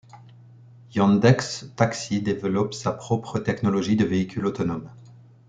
Yandex.Taxi développe sa propre technologie de véhicules autonomes.